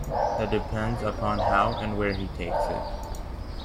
That depends upon how and where he takes it.